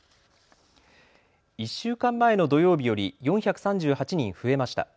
１週間前の土曜日より４３８人増えました。